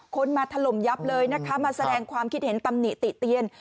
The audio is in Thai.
คนมาถล่มยับเลยนะคะมาแสดงความคิดเห็นตำหนิติเตียน